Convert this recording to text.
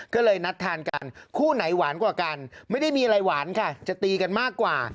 ก็เลยนัดทานกันคู่ไหนหวานกว่ากันไม่ได้มีอะไรหวานค่ะจะตีกันมากกว่า